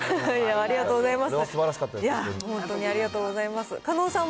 ありがとうございます。